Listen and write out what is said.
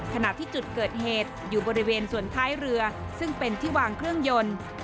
ขณะที่จุดเกิดเหตุอยู่บริเวณส่วนท้ายเรือซึ่งเป็นที่วางเครื่องยนต์